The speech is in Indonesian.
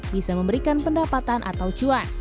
bisa memberikan pendapatan atau cuan